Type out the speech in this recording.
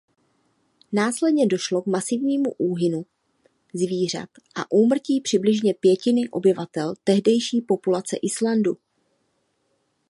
Následně došlo k masivnímu úhynu zvířat a úmrtí přibližně pětiny obyvatel tehdejší populace Islandu.